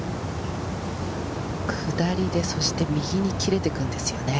下りで右に切れていくんですよね。